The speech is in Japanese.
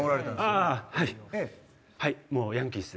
あっはい。